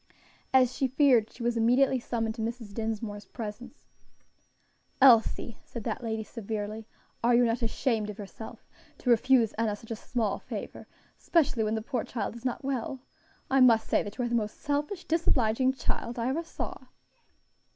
As she feared, she was immediately summoned to Mrs. Dinsmore's presence. "Elsie," said that lady, severely, "are you not ashamed of yourself, to refuse Enna such a small favor especially when the poor child is not well. I must say you are the most selfish, disobliging child I ever saw."